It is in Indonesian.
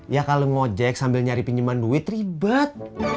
ya kalau ngojek sambil nyari pinjaman duit ribet